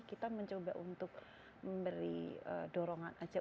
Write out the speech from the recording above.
kita mencoba untuk memberi dorongan saja